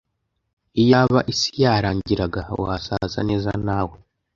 Iyaba isi yarangiraga wazasa neza nawe